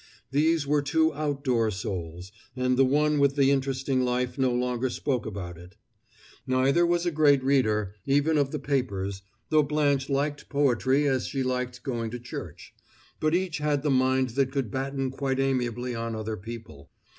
These were two outdoor souls, and the one with the interesting life no longer spoke about it. Neither was a great reader, even of the papers, though Blanche liked poetry as she liked going to church; but each had the mind that could batten quite amiably on other people.